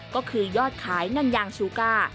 ก็คือยอดขายนั่นยางชูก้า